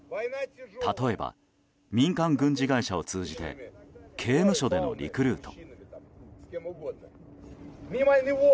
例えば、民間軍事会社を通じて刑務所でのリクルート。